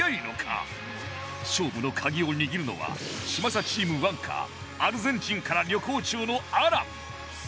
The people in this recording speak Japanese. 勝負の鍵を握るのは嶋佐チームアンカーアルゼンチンから旅行中のアラン